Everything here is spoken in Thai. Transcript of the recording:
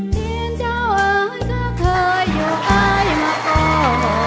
ตีนเจ้าอาจก็เคยอยู่ใกล้มาก่อน